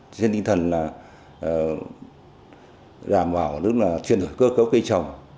trên tinh thần là đảm bảo tức là truyền thổi cơ cấu cây trồng